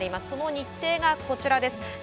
その日程がこちらです。